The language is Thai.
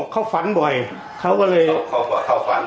เขาฝันบ่อยเขาก็เลยเข้าฝัน